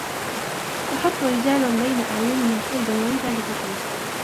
يَحُطُّ رِجَالٌ بَيْنَ أَعْيُنِهِمْ صُلْبَا وَلِذَلِكَ قِيلَ